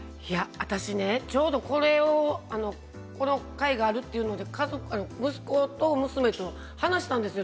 私、ちょうどこの回があるというので家族で息子と娘と話をしたんですよ。